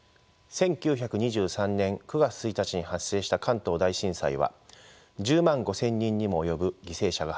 １９２３年９月１日に発生した関東大震災は１０万５，０００人にも及ぶ犠牲者が発生しました。